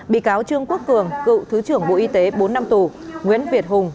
bị cáo trương quốc cường cựu thứ trưởng bộ y tế bốn năm tù nguyễn việt hùng